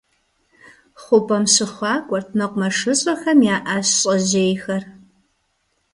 Хъупӏэм щыхъуакӏуэрт мэкъумэщыщIэхэм я ӏэщ щӏэжьейхэр.